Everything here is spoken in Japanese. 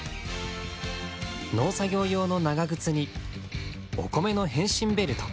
農作業用の長靴にお米の変身ベルト。